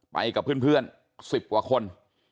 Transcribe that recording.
ไปกับเพื่อน๑๐กว่าคน